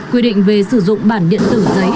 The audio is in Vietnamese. quy định về sử dụng bản điện tử giấy